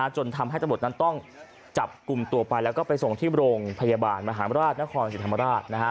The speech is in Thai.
จนทำให้ตำรวจนั้นต้องจับกลุ่มตัวไปแล้วก็ไปส่งที่โรงพยาบาลมหาราชนคริธรรมราช